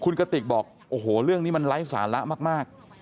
คุณกติกบอกโอ้โหเรื่องนี้มันไร้สาระมาก